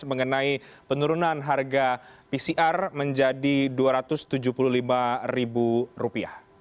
mengenai penurunan harga pcr menjadi rp dua ratus tujuh puluh lima